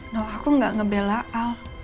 no aku gak ngebela a